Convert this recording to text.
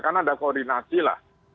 karena ada koordinasi lah